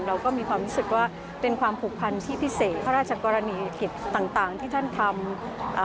เราก็มีความรู้สึกว่าเป็นความผูกพันที่พิเศษพระราชกรณีกิจต่างต่างที่ท่านทำอ่า